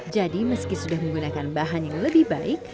jadi meski sudah menggunakan bahan yang lebih baik